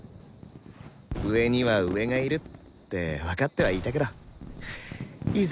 「上には上がいる」って分かってはいたけどいざ